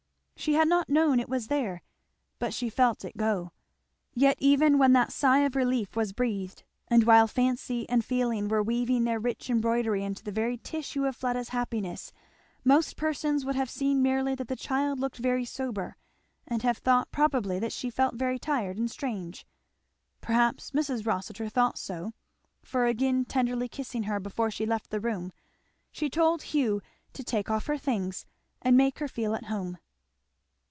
She had not known it was there, but she felt it go. Yet even when that sigh of relief was breathed, and while fancy and feeling were weaving their rich embroidery into the very tissue of Fleda's happiness, most persons would have seen merely that the child looked very sober, and have thought probably that she felt very tired and strange. Perhaps Mrs. Rossitur thought so, for again tenderly kissing her before she left the room she told Hugh to take off her things and make her feel at home.